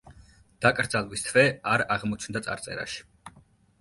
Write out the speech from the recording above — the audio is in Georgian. დაკრძალვის თვე არ აღმოჩნდა წარწერაში.